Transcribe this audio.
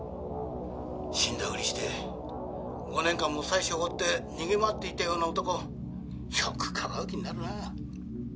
「死んだふりして５年間も妻子を放って逃げ回っていたような男をよくかばう気になるなあ」